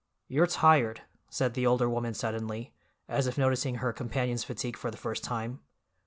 "You're tired," said the older woman suddenly, as if noticing her companion's fatigue for the first time.